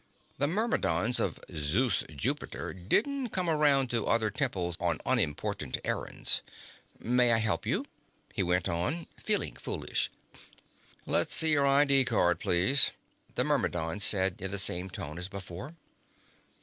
The Myrmidons of Zeus/Jupiter didn't come around to other temples on unimportant errands. "May I help you?" he went on, feeling foolish. "Let's see your ID card, please," the Myrmidon said in the same tone as before.